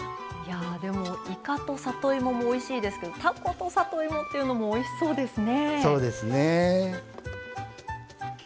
いかと里芋もおいしいですけどたこと里芋っていうもおいしそうですね。